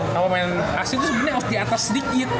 kalau pemain asing tuh sebenarnya harus di atas sedikit